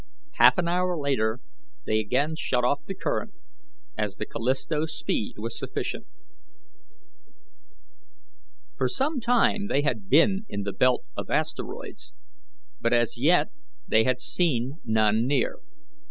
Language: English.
Half an hour later they again shut off the current, as the Callisto's speed was sufficient. For some time they had been in the belt of asteroids, but as yet they had seen none near.